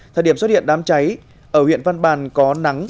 thời điểm xuất hiện đám cháy ở huyện văn bàn có nắng